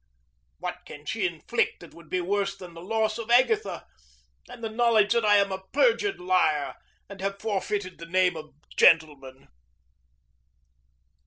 What can she inflict which would be worse than the loss of Agatha, and the knowledge that I am a perjured liar, and have forfeited the name of gentleman?